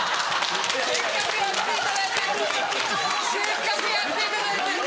せっかくやっていただいてるのにせっかくやっていただいてる。